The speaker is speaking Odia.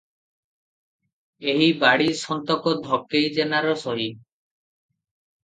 ଏହି ବାଡ଼ି ସନ୍ତକ ଧକେଇ ଜେନାର ସହି ।